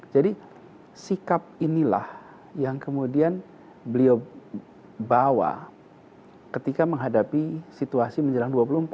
jadi sikap inilah yang kemudian beliau bawa ketika menghadapi situasi menjelang dua puluh empat